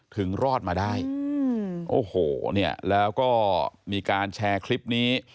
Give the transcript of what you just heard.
รอดมาได้โอ้โหเนี่ยแล้วก็มีการแชร์คลิปนี้